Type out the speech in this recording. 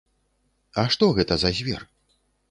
А што гэта за звер?